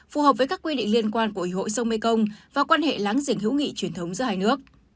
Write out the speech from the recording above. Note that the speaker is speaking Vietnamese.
phù hợp với các quy định liên quan của ủy hội sông mekong và quan hệ láng giềng hữu nghị truyền thống giữa hai nước